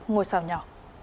ngồi xào nhỏ